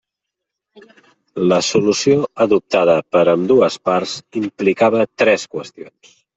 La solució adoptada per ambdues parts implicava tres qüestions.